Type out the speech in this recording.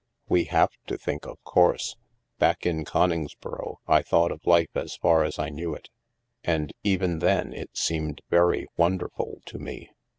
We have to think, of course. Back in Coningsboro I thought of life as far as I knew it, and, even then, it seemed very wonderful to me.